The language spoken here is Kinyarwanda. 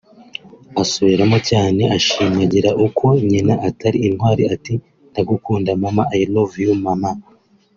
" Asubiramo cyane ashimangira ko nyina ari intwari ati "Ndagukunda Mama (I love you Mama)